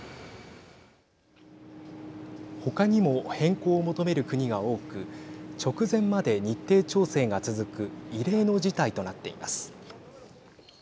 他にも変更を求める国が多く直前まで日程調整が続く異例の事態となっています。